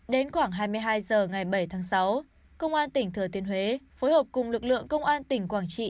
đến khoảng hai mươi hai h ngày bảy tháng sáu công an tỉnh thừa thiên huế phối hợp cùng lực lượng công an tỉnh quảng trị